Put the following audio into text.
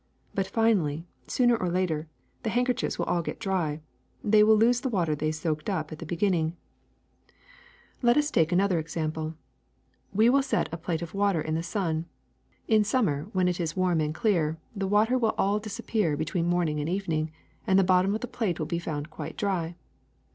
But finally, sooner or later, the handkerchiefs will all get dry; they will lose the water they soaked up at the be ginning. 329 830 THE SECRET OF EVERYDAY THINGS *^ Let us take another example. We will set a plate of water in the sun. In summer, when it is warm and clear, the water will all disappear between morn ing and evening, and the bottom of the plate will be found quite dry.